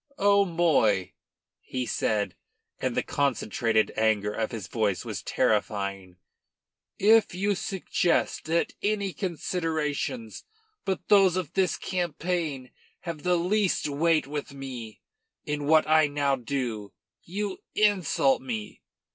"O'Moy," he said, and the concentrated anger of his voice was terrifying, "if you suggest that any considerations but those of this campaign have the least weight with me in what I now do, you insult me.